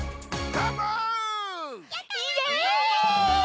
どーも！